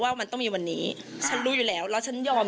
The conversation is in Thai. ถ้ามันได้ขึ้นมา